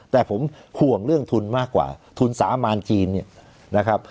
แต่ผมห่วงเรื่องทุนมากกว่าทุนสามารจีนเนี่ยนะครับ